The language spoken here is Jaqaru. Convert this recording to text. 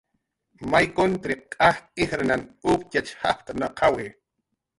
May kutriq q'aj ijrnan uptxach jajptnaqawi